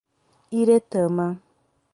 Iretama